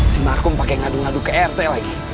si markom pakai ngadu ngadu ke rt lagi